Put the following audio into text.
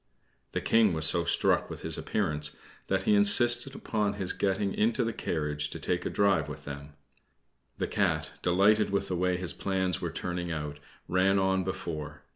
The King was so struck with his appearance that he insisted upon his getting into the carriage to take a drive with them. The Cat, delighted with the way his plans were turning out, ran on before.